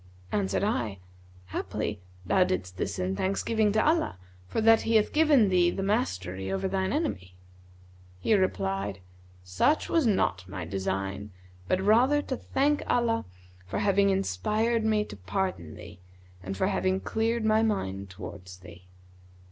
Answered I, 'Haply thou didst this in thanksgiving to Allah, for that He hath given thee the mastery over thine enemy.' He replied, 'Such was not my design, but rather to thank Allah for having inspired me to pardon thee and for having cleared my mind towards thee.